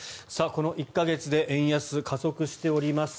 この１か月で円安、加速しております。